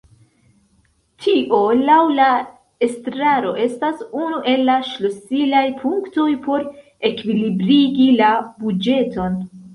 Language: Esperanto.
Tio laŭ la estraro estas unu el la ŝlosilaj punktoj por ekvilibrigi la buĝeton.